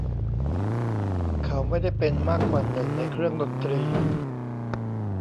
เขาไม่ได้เป็นมากกว่าหนึ่งในเครื่องดนตรี